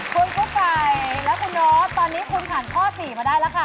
คุณกุ๊กไก่และคุณโน๊ตตอนนี้คุณผ่านข้อ๔มาได้แล้วค่ะ